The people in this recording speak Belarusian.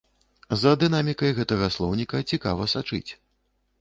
За дынамікай гэтага слоўніка цікава сачыць.